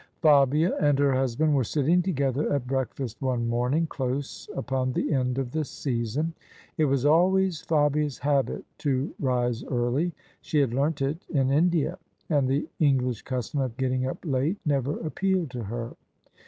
Fabia and her husband were sitting together at breakfast one morning, close upon the end of the season. It was always Fabia's habit to rise early: she had learnt it in India: and the English custom of getting up late never appealed to her.